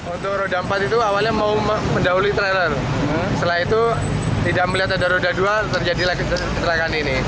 untuk roda empat itu awalnya mau mendahului trailer setelah itu tidak melihat ada roda dua terjadi lagi kecelakaan ini